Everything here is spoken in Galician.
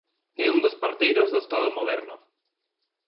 É un dos parteiros do Estado moderno.